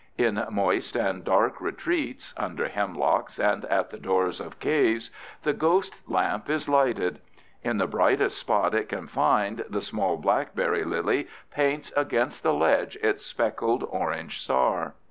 In moist and dark retreats—under hemlocks and at the doors of caves—the ghost lamp is lighted. In the brightest spot it can find the small blackberry lily paints against the ledge its speckled orange star.